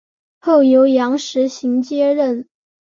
后由杨时行接任。